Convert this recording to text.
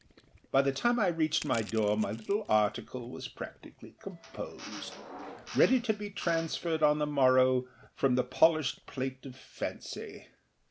By the time I reached my door my little article was practically composedâready to be transferred on the morrow from the polished plate of fancy.